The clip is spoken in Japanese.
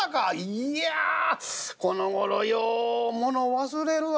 いやこのごろようもの忘れるわ」。